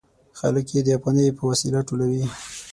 خلک یې د افغانیو په وسیله ټولوي.